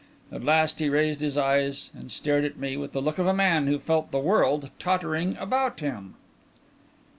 At last he raised his eyes and stared at me with the look of a man who felt the world tottering about him.